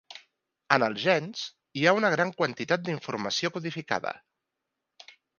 En els gens, hi ha una gran quantitat d'informació codificada.